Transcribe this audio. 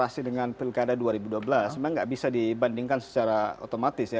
sebenarnya dua ribu dua belas memang tidak bisa dibandingkan secara otomatis ya